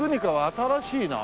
新しいな。